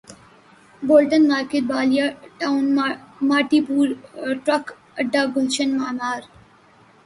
Bolton market Baldia town Mauripur truck اڈہ گلشن معمار